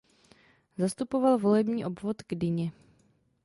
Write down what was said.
Zastupoval volební obvod Kdyně.